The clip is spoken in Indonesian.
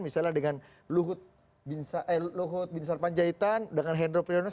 misalnya dengan luhut bin sarpanjaitan dengan hendro priyono